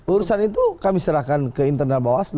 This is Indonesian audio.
urusan itu kami serahkan ke internal bawaslu